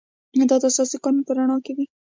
دا د اساسي قانون په رڼا کې وي.